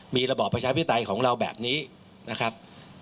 มีระบอบประชาธิปไตยของเราแบบนี้นะครับ